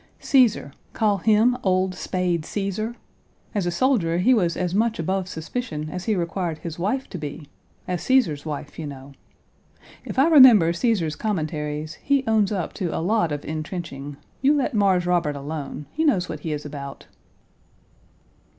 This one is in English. Cæsar call him Old Spade Cæsar? As a soldier, he was as much above suspicion, as he required his wife to be, as Cæsar's wife, you know. If I remember Cæsar's Commentaries, he owns up to a lot of entrenching. You let Mars Robert alone. He knows what he is about."